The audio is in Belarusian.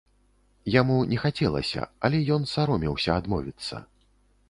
Яму не хацелася, але ён саромеўся адмовіцца.